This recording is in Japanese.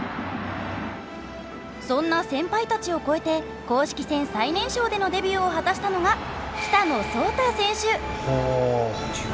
そんな先輩たちを超えて公式戦最年少でのデビューを果たしたのが北野颯太選手。